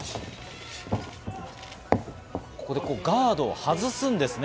ここでガードを外すんですね。